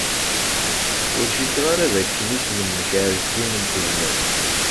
Ur cikkeɣ ara dakken isem-nnek Ɛezdin n Tezmalt.